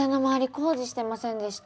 工事してませんでした？